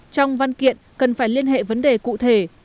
trong văn kiện cần phải liên hệ vấn đề cụ thể